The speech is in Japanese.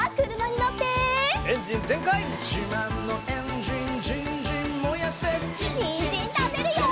にんじんたべるよ！